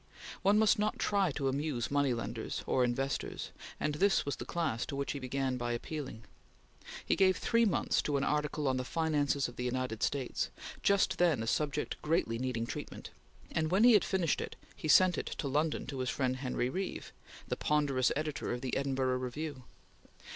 One must not try to amuse moneylenders or investors, and this was the class to which he began by appealing. He gave three months to an article on the finances of the United States, just then a subject greatly needing treatment; and when he had finished it, he sent it to London to his friend Henry Reeve, the ponderous editor of the Edinburgh Review.